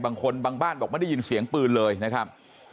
บางคนบางบ้านบอกไม่ได้ยินเสียงปืนเลยนะครับ